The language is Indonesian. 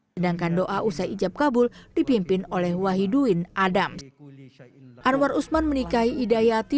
sedangkan doa usai ijab kabul dipimpin oleh wahyiduin adam anwar usman menikahi hidayati